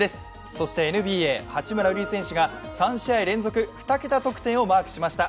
そしてＮＢＡ、八村塁選手が３試合連続２桁得点をマークしました。